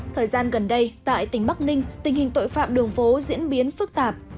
thời gian gần đây tại tỉnh bắc ninh tình hình tội phạm đường phố diễn biến phức tạp